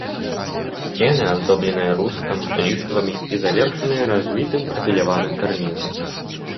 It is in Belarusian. Сцены аздобленыя рустам, ліштвамі і завершаныя развітым прафіляваным карнізам.